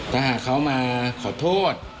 ถ้าหากเขามาขอโทษ